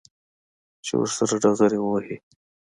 چې ورسره ډغرې ووهي.